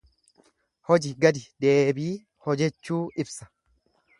Hojii gadi deebii hojechuu ibsa.